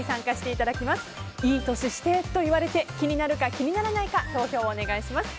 いい年してと言われて気になるか、気にならないか投票をお願いします。